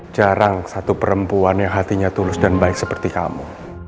jarang satu perempuan yang hatinya tulus dan baik seperti kamu